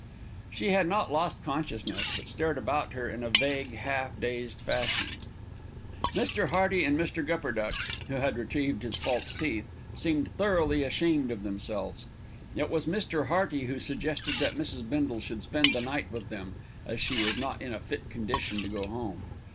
She had not lost consciousness; but stared about her in a vague, half dazed fashion. Mr. Hearty and Mr. Gupperduck, who had retrieved his false teeth, seemed thoroughly ashamed of themselves. It was Mr. Hearty who suggested that Mrs. Bindle should spend the night with them, as she was not in a fit condition to go home.